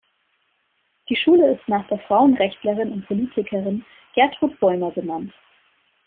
Die Schule ist nach der Frauenrechtlerin und Politikerin Gertrud Bäumer benannt.